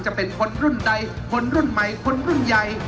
จะเป็นคนรุ่นใดคนรุ่นใหม่คนรุ่นใหญ่